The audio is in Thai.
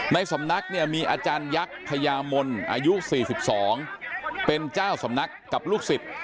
ในสำนักเนี่ยมีอาจารยักษ์พญามนอายุ๔๒เป็นเจ้าสำนักกับลูกศิษย์